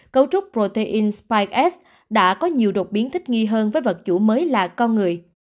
cấu trúc protein spite ex đã có nhiều đột biến thích nghi hơn với vật chủ mới là con người